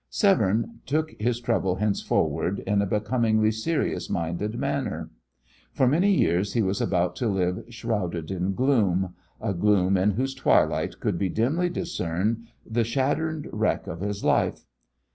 Severne took his trouble henceforward in a becomingly serious minded manner. For many years he was about to live shrouded in gloom a gloom in whose twilight could be dimly discerned the shattered wreck of his life.